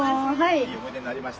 いい思い出になりました。